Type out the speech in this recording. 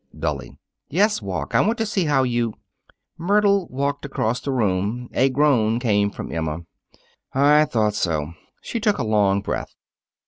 dully. "Yes, walk; I want to see how you " Myrtle walked across the room. A groan came from Emma. "I thought so." She took a long breath.